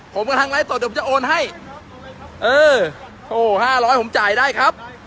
ผมกับทางไลฟ์สดเดี๋ยวผมจะโอนให้เออโอ้ห้าร้อยผมจ่ายได้ครับ